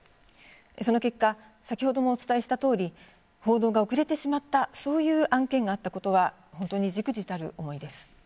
その結果先ほどもお伝えしたとおり報道が遅れてしまったそういう案件があったことは本当に、じくじたる思いです。